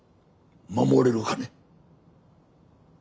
守れるかね？